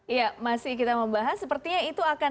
iya masih kita membahas sepertinya itu akan